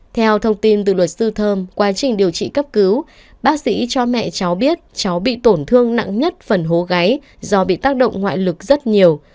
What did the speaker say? theo thông tin từ luật sư thơm quá trình điều trị cấp cứu bác sĩ cho mẹ cháu biết cháu bị tổn thương nặng nhất phần hố gáy do bị tác động ngoại lực rất nhiều